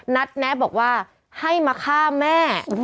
แนะบอกว่าให้มาฆ่าแม่